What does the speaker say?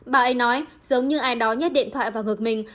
bà ấy nói giống như ai đó nhét điện thoại vào ngược mình